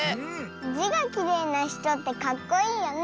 「じ」がきれいなひとってかっこいいよね。